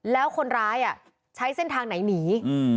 แล้วคนร้ายใช้เส้นทางไหนหนี